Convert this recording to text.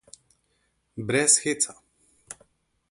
Brez heca.